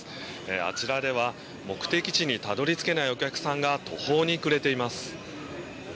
あちらでは目的地にたどり着けないお客さんが途方に暮れています。